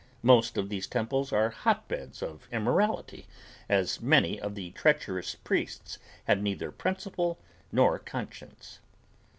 Most of these temples are hotbeds of immorality as many of the treacherous priests have neither principle nor conscience.